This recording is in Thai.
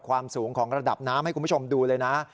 ความสูงของระดับน้ำให้คุณผู้ชมดูเลยนะ